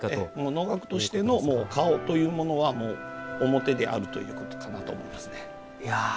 能楽としての顔というものは面であるということかなと思います。